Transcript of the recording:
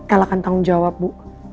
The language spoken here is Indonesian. el akan tanggung jawab bu